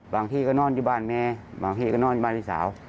ที่ก็นอนที่บ้านแม่บางที่ก็นอนอยู่บ้านพี่สาว